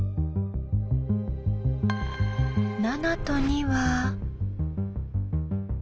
７と２は。